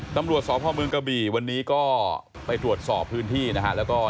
น้ำรัวศาสตร์พ่อมืองกระบี่วันนี้ก็ไปตรวจสอบพื้นที่แล้วก็